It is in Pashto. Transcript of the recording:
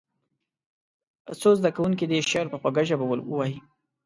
څو زده کوونکي دې شعر په خوږه ژبه ووایي.